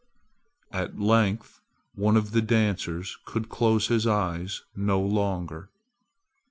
At length one of the dancers could close his eyes no longer!